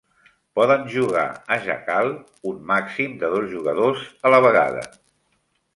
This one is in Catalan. Poden jugar a "Jackal" un màxim de dos jugadors a la vegada.